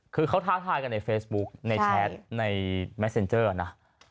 คือเขาท้าทายกันในเฟซบุ๊กในแชทในแมทเซ็นเจอร์นะ